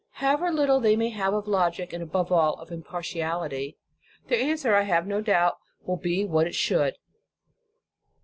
However little they may have of logic, and above all, of impartiality, their answer, I have no doubt, will be what it should.